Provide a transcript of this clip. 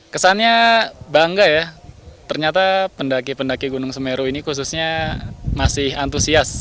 kesannya bangga ya ternyata pendaki pendaki gunung semeru ini khususnya masih antusias